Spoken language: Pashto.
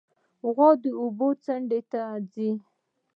غوا د اوبو څنډې ته ځي.